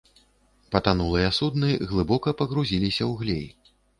Патанулыя судны глыбока пагрузіліся ў глей.